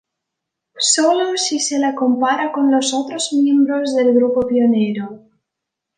Sólo, si se le compara con los otros miembros del Grupo pionero.